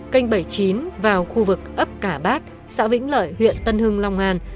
kênh bảy mươi chín vào khu vực ấp cả bát xã vĩnh lợi huyện tân hưng long an